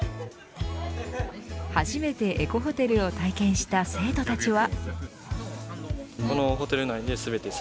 初めてエコホテルを体験した生徒たちは。